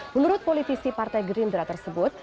menurut politisi partai gerindra tersebut